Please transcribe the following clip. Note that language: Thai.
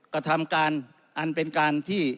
กระทำการอันเป็นการที่